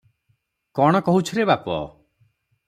କଣ କହୁଛୁ ରେ ବାପ?